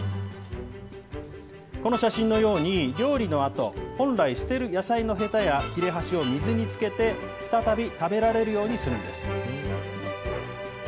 この写真のように、料理のあと、本来、すてる野菜のへたや切れ端を水につけて、再び食べられるようにするんです。